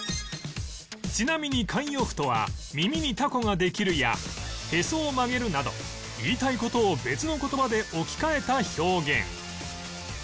ちなみに慣用句とは「耳にたこができる」や「へそを曲げる」など言いたい事を別の言葉で置き換えた表現